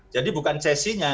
jadi bukan csi nya